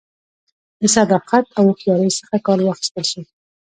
له صداقت او هوښیارۍ څخه کار واخیستل شي